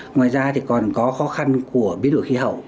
ngoài ra thì còn có khó khăn của biến đổi khí hậu